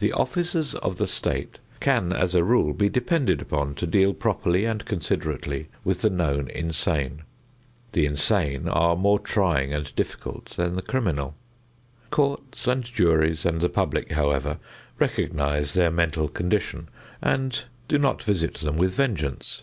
The officers of the state can, as a rule, be depended upon to deal properly and considerately with the known insane. The insane are more trying and difficult than the criminal. Courts and juries and the public, however, recognize their mental condition and do not visit them with vengeance.